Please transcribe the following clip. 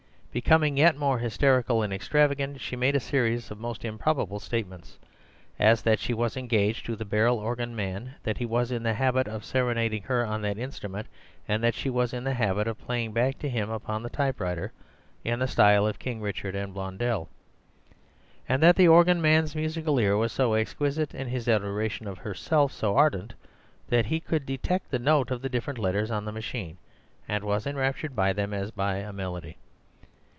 Becoming yet more hysterical and extravagant, she made a series of most improbable statements—as, that she was engaged to the barrel organ man, that he was in the habit of serenading her on that instrument, that she was in the habit of playing back to him upon the typewriter (in the style of King Richard and Blondel), and that the organ man's musical ear was so exquisite and his adoration of herself so ardent that he could detect the note of the different letters on the machine, and was enraptured by them as by a melody.